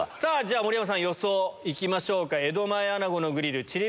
盛山さん予想行きましょうか。